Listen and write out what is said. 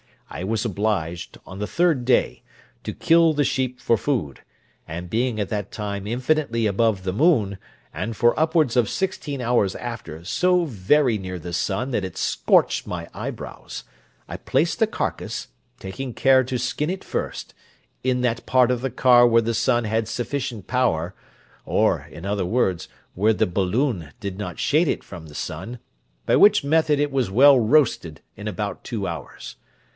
I was obliged, on the third day, to kill the sheep for food; and being at that time infinitely above the moon, and for upwards of sixteen hours after so very near the sun that it scorched my eyebrows, I placed the carcase, taking care to skin it first, in that part of the car where the sun had sufficient power, or, in other words, where the balloon did not shade it from the sun, by which method it was well roasted in about two hours.